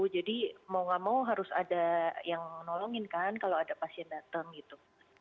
jadi mau nggak mau harus ada yang nolongin kan kalau ada pasien datang gitu